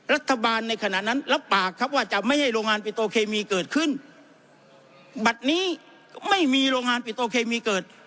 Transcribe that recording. รัฐบาลในขณะนั้นรับปากครับว่าจะไม่ให้โรงงานปิโตเคมีเกิดขึ้นบัตรนี้ไม่มีโรงงานปิโตเคมีเกิด